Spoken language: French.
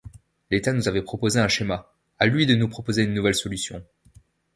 L’État nous avait imposé un schéma, à lui de nous proposer une nouvelle solution.